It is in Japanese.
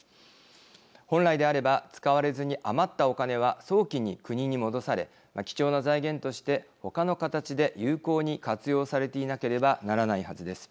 本来であれば使われずに余ったお金は早期に国に戻され貴重な財源としてほかの形で有効に活用されていなければならないはずです。